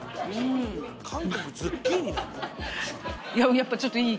やっぱちょっといい？